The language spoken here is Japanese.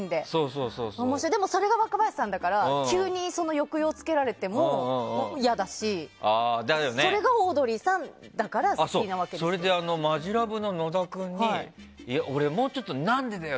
でも、それが若林さんだから急に抑揚つけられても嫌だしそれがオードリーさんだからそれでマヂラブの野田君に俺、もうちょっと、なんでだよ！